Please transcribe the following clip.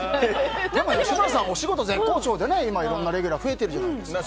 でも吉村さん、お仕事絶好調で今、いろんなレギュラー増えてるじゃないですか。